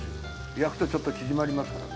焼くとちょっと縮まりますからね。